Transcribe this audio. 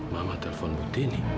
mama telpon bu tini